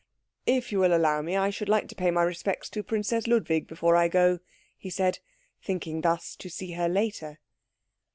"If you will allow me, I should like to pay my respects to Princess Ludwig before I go," he said, thinking thus to see her later.